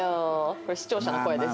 これ視聴者の声です。